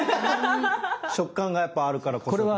食感がやっぱあるからこそですかね。